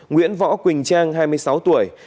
nguyễn võ quỳnh trang hai mươi sáu tuổi